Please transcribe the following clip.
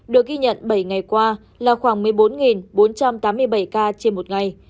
được ghi nhận bảy ngày qua là khoảng một mươi bốn bốn trăm tám mươi bảy ca trên một ngày